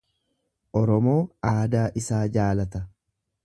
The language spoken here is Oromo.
Oromoo aadaa isaa jaalata.